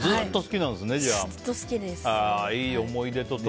ずっと好きです。